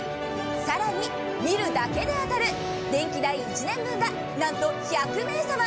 さらに見るだけで当たる電気代１年分が何と１００名さま。